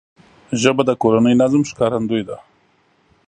ژبه د کورني نظم ښکارندوی ده